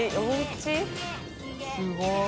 すごい。